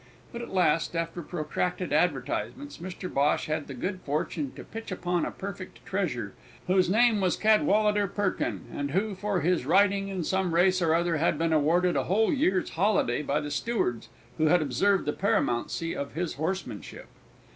But at last, after protracted advertisements, Mr Bhosh had the good fortune to pitch upon a perfect treasure, whose name was Cadwallader Perkin, and who, for his riding in some race or other, had been awarded a whole year's holiday by the stewards who had observed the paramountcy of his horsemanship.